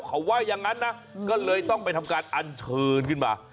เขาว่าอย่างนั้นนะก็เลยต้องไปทำการอันเชิญขึ้นมา